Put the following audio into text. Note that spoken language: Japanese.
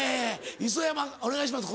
磯山お願いします